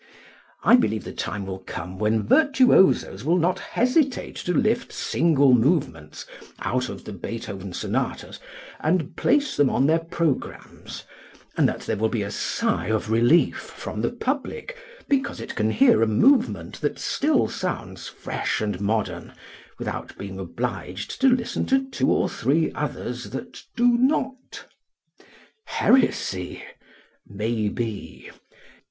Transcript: I believe the time will come when virtuosos will not hesitate to lift single movements out of the Beethoven sonatas and place them on their programs and that there will be a sigh of relief from the public because it can hear a movement that still sounds fresh and modern without being obliged to listen to two or three others that do not. Heresy? Maybe.